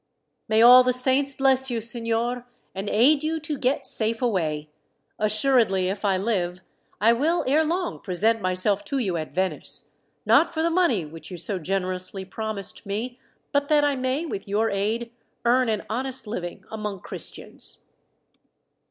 "May all the saints bless you, signor, and aid you to get safe away! Assuredly, if I live, I will ere long present myself to you at Venice not for the money which you so generously promised me, but that I may, with your aid, earn an honest living among Christians."